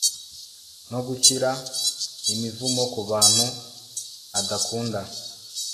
no gushyira imivumo ku bantu adakunda